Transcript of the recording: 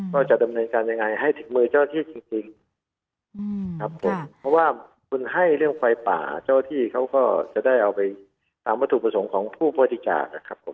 ก็จะดำเนินการยังไงให้ถึงงดเจ้าที่จริงเพราะว่าคุณให้เรื่องไฟป่าเหลือจะได้เอาไปตามอธิประสงค์ของผู้พวทิจารณ์นะครับ